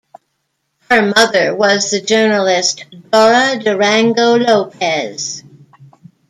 Her mother was the journalist Dora Durango Lopez.